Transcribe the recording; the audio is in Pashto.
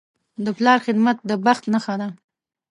د پلار خدمت د بخت نښه ده.